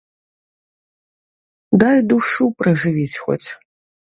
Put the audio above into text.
Дай душу пражывіць хоць.